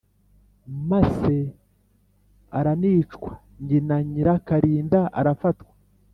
Masse aranicwa Nyina Nyirakarinda arafatwa